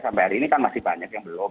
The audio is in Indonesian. sampai hari ini kan masih banyak yang belum